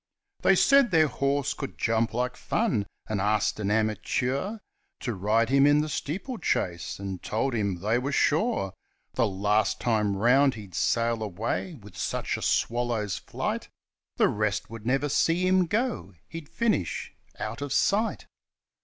They said their horse could jump like fun, and asked an amateur To ride him in the steeplechase, and told him they were sure The last time round he'd sail away with such a swallow's flight The rest would never see him go — he'd finish out of sight.